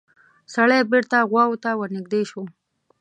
سړی بېرته غواوو ته ورنږدې شو.